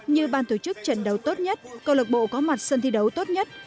như ban tổ chức trận đấu tốt nhất cầu độc bộ có mặt sân thi đấu tốt nhất